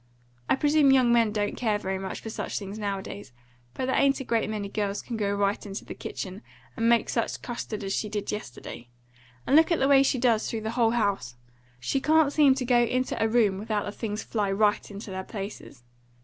I presume young men don't care very much for such things nowadays; but there ain't a great many girls can go right into the kitchen, and make such a custard as she did yesterday. And look at the way she does, through the whole house! She can't seem to go into a room without the things fly right into their places.